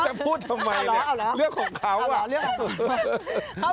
จะพูดทำไมเนี่ยเลือกของเขาว่ะเหรอเลือกของเขาเหรอ